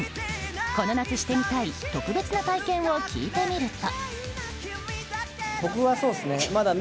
この夏してみたい特別な体験を聞いてみると。